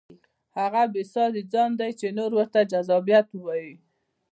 هغه بې ساري ځان دی چې نور ورته جذابیت وایي.